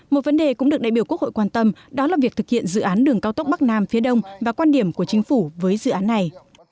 một vấn đề cũng được đại biểu quốc hội quan tâm đó là việc thực hiện dự án đường cao tốc bắc nam phía đông và quan điểm của chính phủ với dự án này